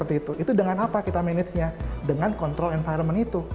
itu dengan apa kita managenya dengan mengontrol lingkungan itu